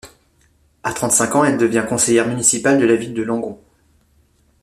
À trente-cinq ans, elle devient conseillère municipale de la ville de Langon.